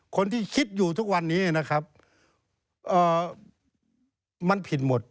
คนที่คิดอยู่ทุกวันนี้นะครับมันผิดหมด